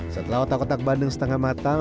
setelah otak otak bandeng setengah matang